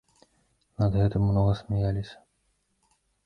Над гэтым многа смяяліся.